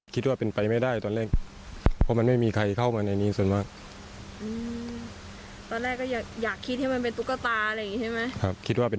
เพราะว่าน้องเขาออกมาจากบ้านตั้งแต่๓อิตร